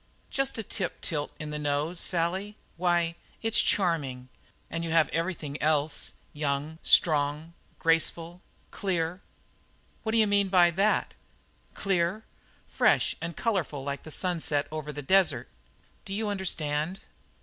"Just a tip tilt in the nose, Sally. Why, it's charming. And you have everything else young, strong, graceful, clear." "What d'you mean by that?" "Clear? Fresh and colourful like the sunset over the desert. Do you understand?"